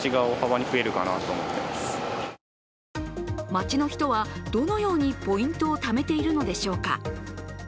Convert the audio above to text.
街の人は、どのようにポイントをためているのでしょうか。